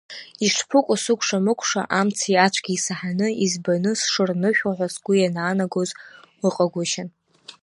Ишԥыкәу сыкәшамыкәша амци ацәгьеи саҳаны, избаны сшырнышәо ҳәа сгәы ианаанагоз ыҟагәышьан.